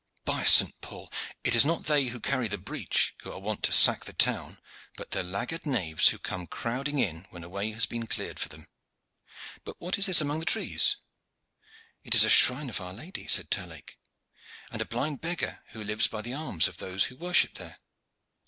By St. Paul! it is not they who carry the breach who are wont to sack the town, but the laggard knaves who come crowding in when a way has been cleared for them. But what is this among the trees?" "It is a shrine of Our Lady," said Terlake, "and a blind beggar who lives by the alms of those who worship there."